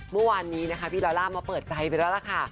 เมื่อวานนี้นะคะพี่ดอลล่ามาเปิดใจไปแล้วล่ะค่ะ